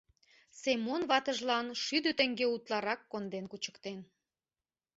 Семон ватыжлан шӱдӧ теҥге утларак конден кучыктен.